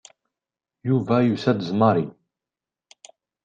Yuba yusa-d d Mary.